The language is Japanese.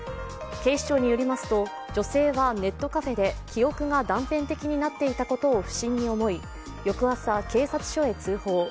警視庁によりますと女性はネットカフェで記憶が断片的になっていたことを不審に思い、翌朝、警察署へ通報。